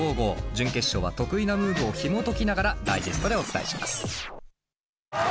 準決勝は得意なムーブをひもときながらダイジェストでお伝えします。